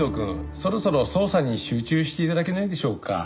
そろそろ捜査に集中して頂けないでしょうか？